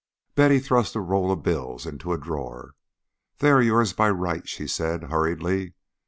Betty thrust a roll of bills into a drawer. "They are yours by right," she said hurriedly.